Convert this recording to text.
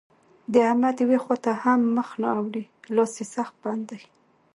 د احمد يوې خوا ته هم مخ نه اوړي؛ لاس يې سخت بند دی.